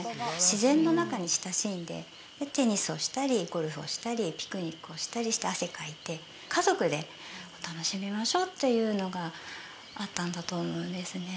自然の中に親しんでテニスをしたりゴルフをしたりピクニックをしたりして汗かいて家族で楽しみましょうというのがあったんだと思うんですね